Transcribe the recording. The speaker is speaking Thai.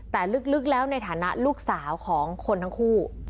แต่ลึกแล้วในฐานะลูกสาวของคนทั้งคู่